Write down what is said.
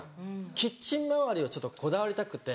キッチン回りはちょっとこだわりたくて。